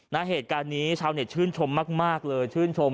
เหตุการณ์นี้ชาวเน็ตชื่นชมมากเลยชื่นชม